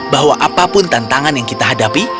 bahwa apapun tantangan yang kita hadapi